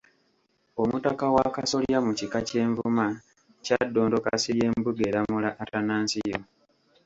Omutaka w'a Kasolya mu Kika ky’e Nvuma , Kyaddondo Kasirye Mbugeeramula Atanansiyo